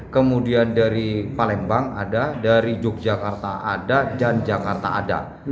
kemudian dari palembang ada dari yogyakarta ada dan jakarta ada